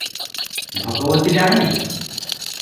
ଭଗବତୀ ଡାହାଣୀ?